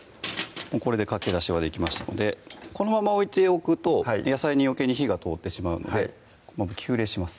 これでかけだしはできましたのでこのまま置いておくと野菜によけいに火が通ってしまうのでこのまま急冷します